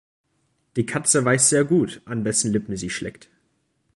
Die Katze weiß sehr gut, an wessen Lippen sie schleckt.